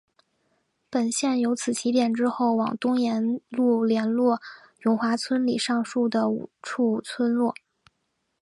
本线由此起点之后往东沿路连络永华村里上述的五处村落。